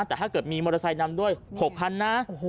แต่ถ้าเกิดมีมอเตอร์ไซค์นำด้วย๖๐๐๐นะ